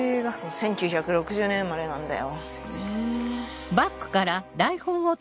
１９６０年生まれなんだよ。